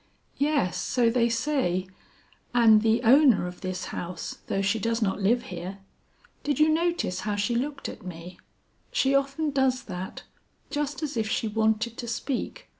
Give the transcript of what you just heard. "Yes, so they say, and the owner of this house, though she does not live here. Did you notice how she looked at me? She often does that, just as if she wanted to speak.